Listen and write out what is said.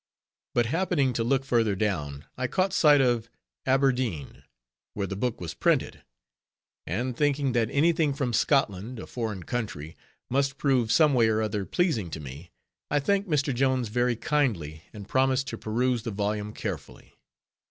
But happening to look further down, I caught sight of "Aberdeen," where the book was printed; and thinking that any thing from Scotland, a foreign country, must prove some way or other pleasing to me, I thanked Mr. Jones very kindly, and promised to peruse the volume carefully.